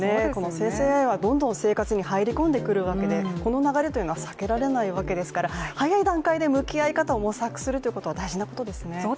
生成ＡＩはどんどん生活に入り込んでくるわけでこの流れというのは避けられないわけですから、早い段階で向き合い方を模索するというのは大事なことですね。